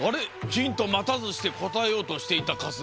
ヒントまたずしてこたえようとしていた春日。